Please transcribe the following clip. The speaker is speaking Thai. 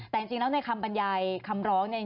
แต่จริงแล้วในคำบรรยายคำร้องเนี่ย